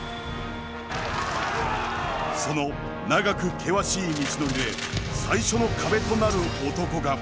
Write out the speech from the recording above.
その長く険しい道のりで最初の壁となる男が。